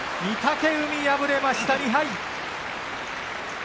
御嶽海、敗れました、２敗。